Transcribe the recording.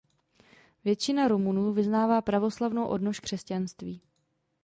Většina Rumunů vyznává pravoslavnou odnož křesťanství.